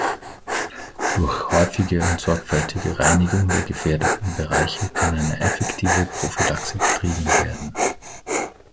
Durch häufige und sorgfältige Reinigung der gefährdeten Bereiche kann eine effektive Prophylaxe betrieben werden.